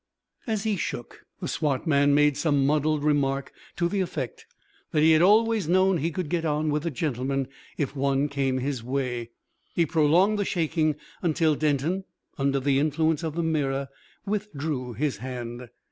As he shook, the swart man made some muddled remark, to the effect that he had always known he could get on with a gentleman if one came his way. He prolonged the shaking until Denton, under the influence of the mirror, withdrew his hand.